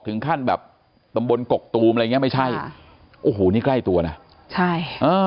ถึงขั้นแบบตำบลกกตูมอะไรอย่างเงี้ไม่ใช่ค่ะโอ้โหนี่ใกล้ตัวนะใช่เออ